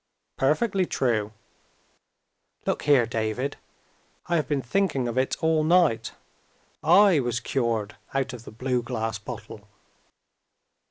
"Perfectly true. "Look here, David! I have been thinking of it all night. I was cured out of the blue glass bottle."